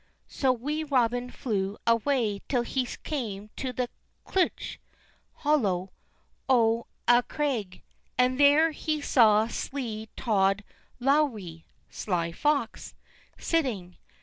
So Wee Robin flew awa' till he came to the cleuch (hollow) o' a craig, and there he saw slee Tod Lowrie (sly fox) sitting.